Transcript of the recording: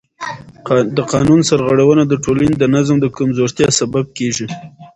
د قانون سرغړونه د ټولنې د نظم د کمزورتیا سبب کېږي